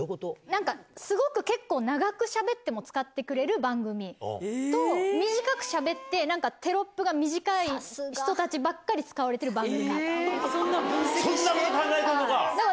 なんか、すごく結構長くしゃべっても使ってくれる番組と、短くしゃべって、なんか、テロップが短い人たちばっかり使われてそんなこと考えてんのか。